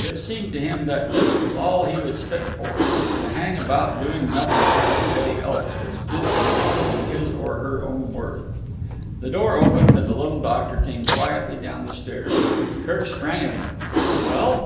It seemed to him that this was all he was fit for—to hang about doing nothing while everybody else was busy and proving his or her own worth. A door opened and the little doctor came quietly down the stairs. Kirk sprang at him. "Well?"